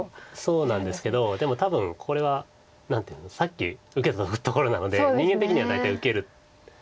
そうなんですけどでも多分これは何ていうのさっき受けたところなので人間的には大体受ける。